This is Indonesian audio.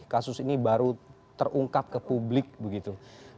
kasus ini baru terungkap ke publik begitu